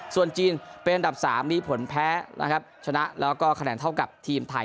ส่วนจีนเป็นอันดับ๓มีผลแพ้นะครับชนะแล้วก็คะแนนเท่ากับทีมไทย